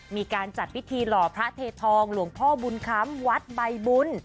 มีการจัดวิธีรอบพระเททองหลวงพ่อบูญค้ามวัดบ่ายบุ้น